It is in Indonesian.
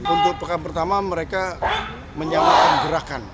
untuk pekan pertama mereka menyamakan gerakan